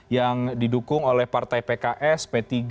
yang didukung oleh partai pks p tiga